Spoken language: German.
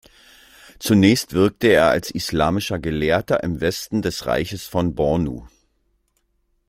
Zunächst wirkte er als islamischer Gelehrter im Westen des Reiches von Bornu.